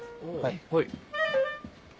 はい。